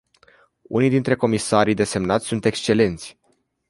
Unii dintre comisarii desemnați sunt excelenți.